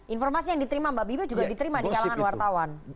informasi yang diterima mbak bibi juga diterima di kalangan wartawan